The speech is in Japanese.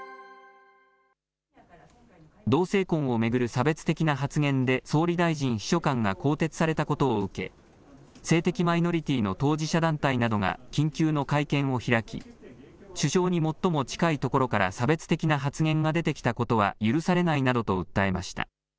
同性婚を巡る差別的な発言で総理大臣秘書官が更迭されたことを受け、性的マイノリティーの当事者団体などが緊急の会見を開き、首相に最も近いところから差別的な発言が出てきたことは許されないなどと訴えました。